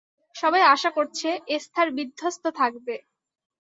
সবাই আশা করছে এস্থার বিধ্বস্ত থাকবে।